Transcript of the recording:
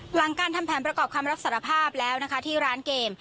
หลังการทำแผนประกอบคำรับสารภาพแล้วนะคะที่ร้านเกม